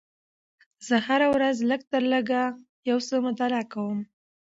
زه هره ورځ لږ تر لږه یو څه مطالعه کوم